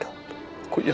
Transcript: ku yang percaya